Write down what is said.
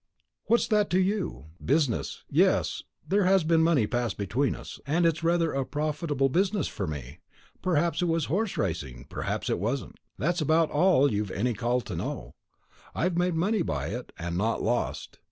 "What's that to you? Business. Yes, there has been money pass between us, and it's rather a profitable business for me. Perhaps it was horse racing, perhaps it wasn't. That's about all you've any call to know. I've made money by it, and not lost.